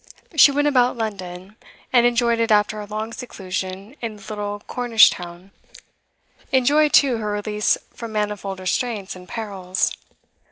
She went about London, and enjoyed it after her long seclusion in the little Cornish town; enjoyed, too, her release from manifold restraints and perils.